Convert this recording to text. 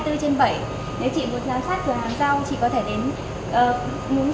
nếu chị muốn giám sát từ hàng rau chị có thể đến ngúng rau